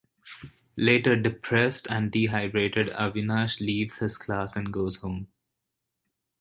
Later depressed and dehydrated Avinash leaves his class and goes home.